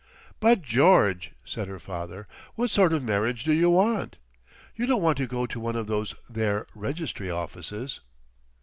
"But, George," said her father, "what sort of marriage do you want? You don't want to go to one of those there registry offices?"